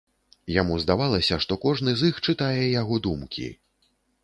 Яму здавалася, што кожны з іх чытае яго думкі.